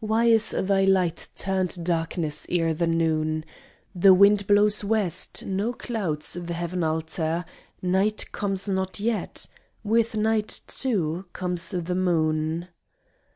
Why is thy light turned darkness ere the noon? The wind blows west, no clouds the heaven alter, Night comes not yet; with night, too, comes the moon.